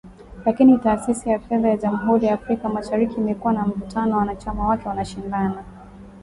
Lakini Taasisi ya Fedha ya Jamhuri ya Afrika Mashariki imekuwa na mvutano, wanachama wake wanashindana.